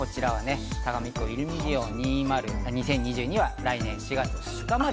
さがみ湖イルミリオン２０２２は来年４月２日まで。